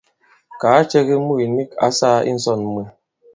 Kàa cɛ ki mût nik ǎ sāā i ǹsɔn mwe.